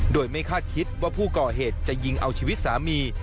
โดยไม่คาดคิดว่าผู้ก่อเหตุจะยิงเอาชีวิตสามี